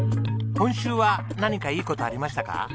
今週は何かいい事ありましたか？